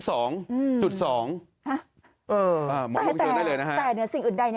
โหมอน่องเชิญได้เลยนะคะ